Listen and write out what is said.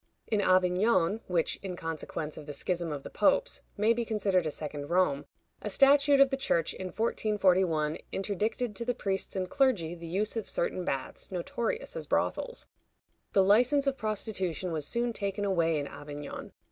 In Avignon, which, in consequence of the schism of the popes, may be considered a second Rome, a statute of the Church, in 1441, interdicted to the priests and clergy the use of certain baths, notorious as brothels. The license of prostitution was soon taken away in Avignon.